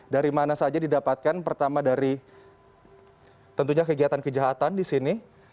dari mana saja didapatkan pertama dari tentunya kegiatan kejahatan di sini